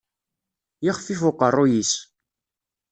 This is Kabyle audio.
Yexfif uqerruy-is.